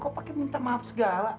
kok pakai minta maaf segala